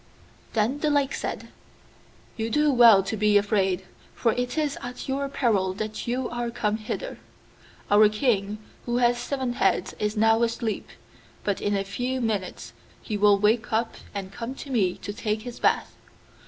Then the Lake said, 'You do well to be afraid, for it is at your peril that you are come hither. Our king, who has seven heads, is now asleep, but in a few minutes he will wake up and come to me to take his bath!